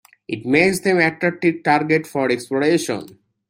This makes them an attractive target for exploration.